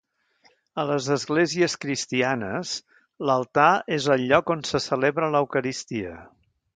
A les esglésies cristianes l'altar és el lloc on se celebra l'eucaristia.